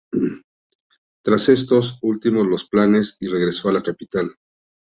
Tras esto, ultimó los planes y regresó a la capital.